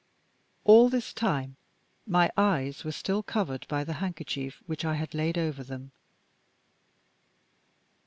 All this time, my eyes were still covered by the handkerchief which I had laid over them.